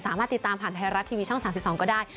สามารถติดตามผ่านไทยรัฐทีวีช่อง๓๒ก็ได้